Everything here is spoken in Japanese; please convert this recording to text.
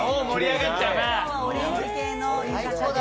今日はオレンジ系の浴衣で。